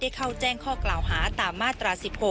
เข้าแจ้งข้อกล่าวหาตามมาตรา๑๖